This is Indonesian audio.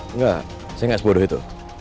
engga saya gak sebodoh itu